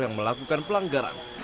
yang melakukan pelanggaran